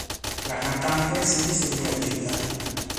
La cantante si disse divertita.